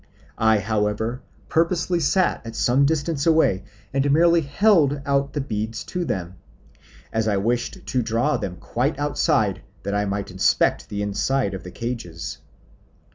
I, however, purposely sat at some distance away and merely held out the beads to them, as I wished to draw them quite outside, that I might inspect the inside of the cages.